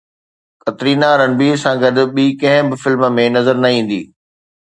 ڪترينا رنبير سان گڏ ٻي ڪنهن به فلم ۾ نظر نه ايندي